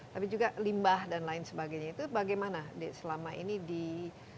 tapi juga limbah dan lain sebagainya itu bagaimana selama ini dikelola dan angkat